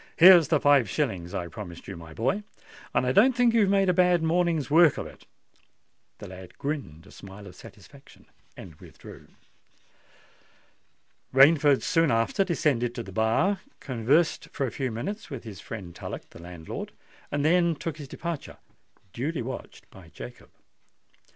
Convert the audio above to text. "Here's the five shillings I promised you, my boy; and I don't think you've made a bad morning's work of it." The lad grinned a smile of satisfaction, and withdrew. Rainford soon after descended to the bar, conversed for a few minutes with his friend Tullock, the landlord, and then took his departure—duly watched by Jacob.